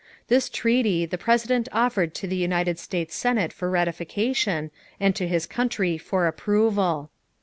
This treaty, the President offered to the United States Senate for ratification and to his country for approval.